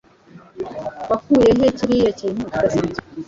Wakuye he kiriya kintu kidasanzwe?